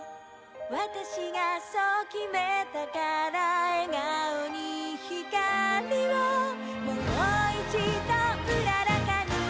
「わたしがそう決めたから」「笑顔にひかりをもう一度うららかに」